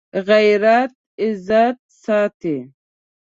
غیرت عزت ساتي